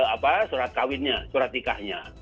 apa surat kawinnya surat nikahnya